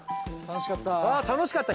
楽しかった。